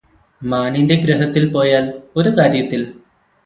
മാനിന്റെ ഗ്രഹത്തില് പോയാല് ഒരു കാര്യത്തില്